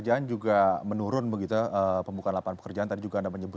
yang bisa segera diakses oleh pelaku usaha seperti ini